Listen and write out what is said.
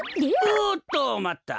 おっとまった！